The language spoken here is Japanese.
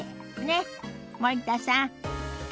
ねっ森田さん。